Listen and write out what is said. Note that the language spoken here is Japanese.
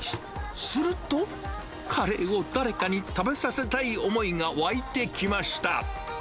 すると、カレーを誰かに食べさせたい思いが湧いてきました。